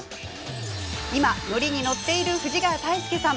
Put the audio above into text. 今、乗りに乗ってる藤ヶ谷太輔さん。